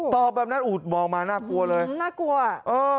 แบบนั้นอุดมองมาน่ากลัวเลยน่ากลัวเออ